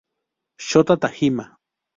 Shota Tajima